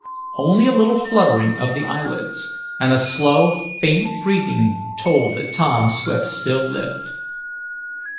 Only a little fluttering of the eyelids, and a slow, faint breathing told that Tom Swift still lived.